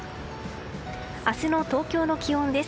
明日の東京の気温です。